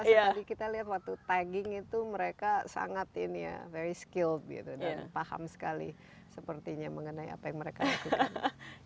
jadi kita lihat waktu tagging itu mereka sangat ini ya very skilled gitu dan paham sekali sepertinya mengenai apa yang mereka lakukan